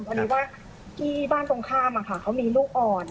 พอดีว่าที่บ้านตรงข้ามเขามีลูกอ่อน